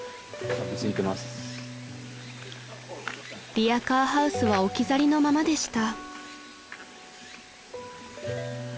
［リアカーハウスは置き去りのままでした］